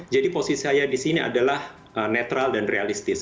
jadi posisi saya di sini adalah netral dan realistis